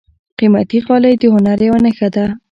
قیمتي غالۍ د هنر یوه نښه ده.